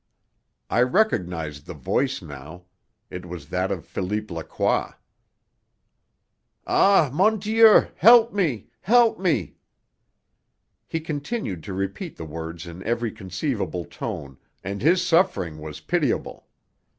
I recognized the voice now. It was that of Philippe Lacroix. "Ah, mon Dieu! Help me! Help me!" He continued to repeat the words in every conceivable tone, and his suffering was pitiable.